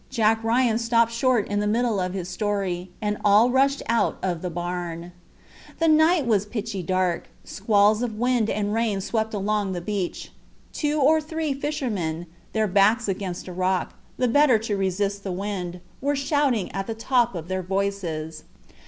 Jack Ryan stopped short in the middle of his story, and all rushed out of the barn. The night was pitchy dark. Squalls of wind and rain swept along the beach. Two or three fishermen, their backs against a rock, the better to resist the wind, were shouting at the top of their voices.